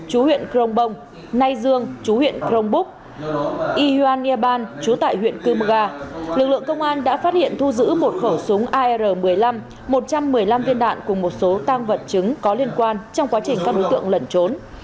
huyện crong bông nay dương chú huyện crong búc y hoan nghia ban chú tại huyện cư mga lực lượng công an đã phát hiện thu giữ một khẩu súng ar một mươi năm một trăm một mươi năm viên đạn cùng một số tang vật chứng có liên quan trong quá trình các đối tượng lẩn trốn